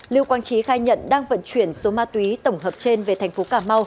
lưu quang trí khai nhận đang vận chuyển số ma túy tổng hợp trên về tp hcm